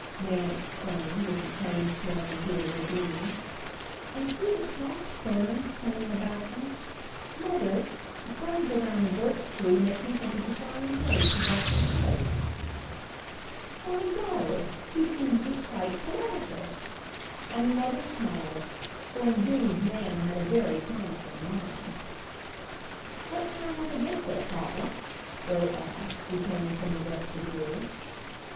Nan exclaimed, as the train swung into a ravine. "And see the soft ferns clinging about them. Mother, the ferns around the birch tree make me think of the fine lace about your throat!" "Why, daughter, you seem to be quite poetical!" and the mother smiled, for indeed Nan had a very promising mind. "What time will we get there, papa?" Bert asked, returning from the vestibule.